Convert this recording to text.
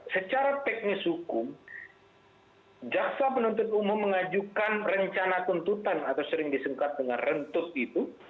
secara teknis hukum jaksa penuntut umum mengajukan rencana tuntutan atau sering disingkat dengan rentut itu